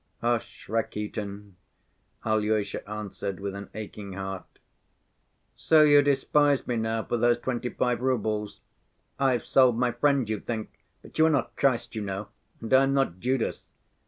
"Hush, Rakitin," Alyosha answered with an aching heart. "So you despise me now for those twenty‐five roubles? I've sold my friend, you think. But you are not Christ, you know, and I am not Judas."